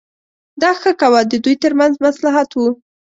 دا ښه کوه د دوی ترمنځ مصلحت و.